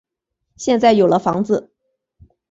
现在有了房子